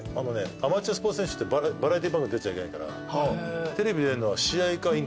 アマチュアスポーツ選手ってバラエティー番組出ちゃいけないからテレビ出んのは試合かインタビュー。